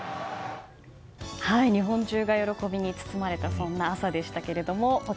日本中が喜びに包まれたそんな朝でしたけれども。